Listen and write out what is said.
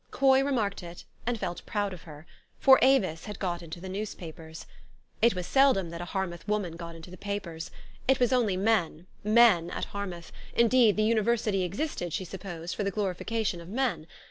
Coy remarked it, and felt proud of her ; for Avis had got into the newspapers. It was seldom that a Harmouth woman got into the papers. It was only men men at Harmouth : indeed, the Univer sity existed, she supposed, for the glorification of men.